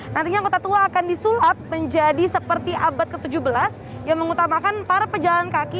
nantinya kota tua akan disulap menjadi seperti abad ke tujuh belas yang mengutamakan para pejalan kaki